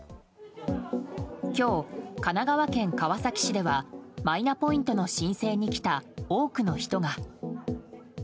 今日、神奈川県川崎市ではマイナポイントの申請に来た多くの人が。